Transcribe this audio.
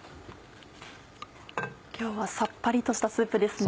今日はさっぱりとしたスープですね。